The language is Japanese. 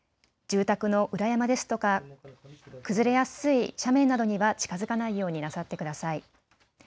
住宅の裏山ですとか崩れやすい斜面などには近づかないようになさってください。